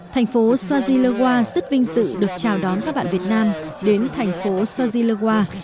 thành phố swaziluwa rất vinh dự được chào đón các bạn việt nam đến thành phố swaziluwa